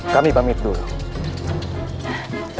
kami pamit dulu